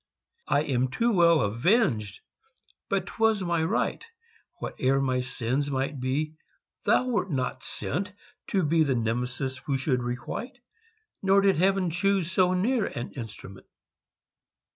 I am too well avenged! but 'twas my right; Whate'er my sins might be, thou wert not sent To be the Nemesis who should requite Nor did Heaven choose so near an instrument.